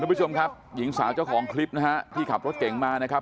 ผู้ชมครับหญิงสาวเจ้าของคลิปนะฮะที่ขับรถเก่งมานะครับ